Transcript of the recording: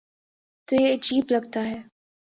تو یہ عجیب لگتا ہے۔